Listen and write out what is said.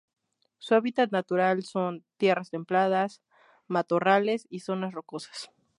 Su hábitat natural son: tierras templadas, matorrales y zonas rocosas.